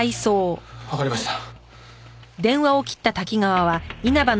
わかりました。